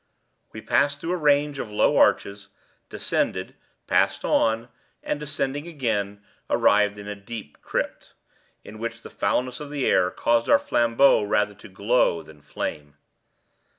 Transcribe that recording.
We passed through a range of low arches, descended, passed on, and descending again, arrived at a deep crypt, in which the foulness of the air caused our flambeaux rather to glow than flame.